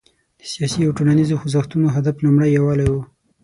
د سیاسي او ټولنیزو خوځښتونو هدف لومړی یووالی و.